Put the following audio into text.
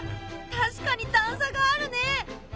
確かに段差があるね。